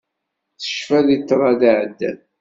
Tecfa-d i ṭṭrad iɛeddan.